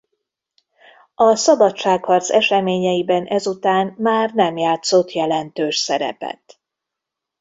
A szabadságharc eseményeiben ezután már nem játszott jelentős szerepet.